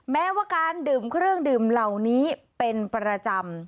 แม้ว่าการดื่มเครื่องดื่มเหล่านี้เป็นประจำ